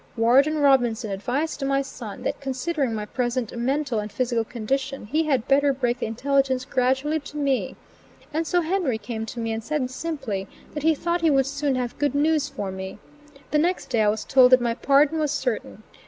Warden Robinson advised my son, that considering my present mental and physical condition, he had better break the intelligence gradually to me, and so Henry came to me and said, simply, that he thought he would soon have "good news" for me. The next day I was told that my pardon was certain.